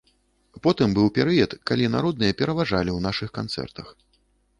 Потым быў перыяд, калі народныя пераважалі ў нашых канцэртах.